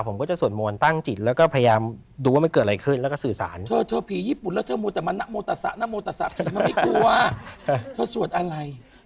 มันไม่กลัวเธอสวดอะไร